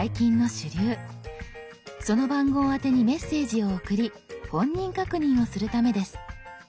その番号宛てにメッセージを送り本人確認をするためです。